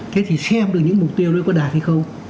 thế thì xem được những mục tiêu đấy có đạt hay không